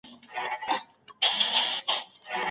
هانري مندراس د ټولنیز واقعیت په اړه خبرې کړي دي.